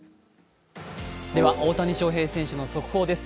大谷翔平選手の速報です。